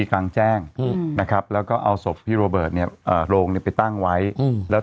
กลางแจ้งนะครับแล้วก็เอาศพพี่โรเบิร์ตเนี่ยเอ่อโรงเนี่ยไปตั้งไว้แล้ว